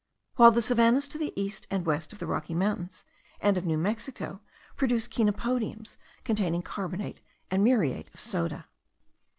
while the savannahs to the east and west of the Rocky Mountains and of New Mexico produce chenopodiums containing carbonate and muriate of soda.